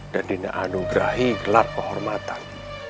dan dinaanugerahi gelar kehormatan